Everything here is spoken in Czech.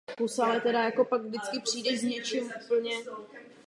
Území bylo možná krátce součástí Českého a pak Polského království.